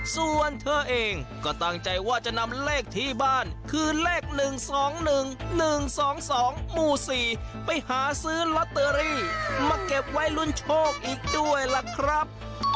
ส่วนเธอเองก็ตั้งใจว่าจะนำเลขที่บ้านคือเลข๑๒๑๑๒๒หมู่๔ไปหาซื้อลอตเตอรี่มาเก็บไว้ลุ้นโชคอีกด้วยล่ะครับ